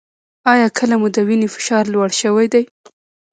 ایا کله مو د وینې فشار لوړ شوی دی؟